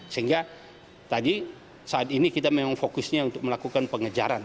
sehingga tadi saat ini kita memang fokusnya untuk melakukan pengejaran